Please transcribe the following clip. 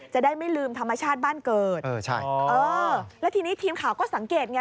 จะได้ไม่ลืมธรรมชาติบ้านเกิดเออใช่เออแล้วทีนี้ทีมข่าวก็สังเกตไง